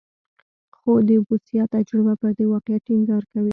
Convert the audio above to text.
خو د بوسیا تجربه پر دې واقعیت ټینګار کوي.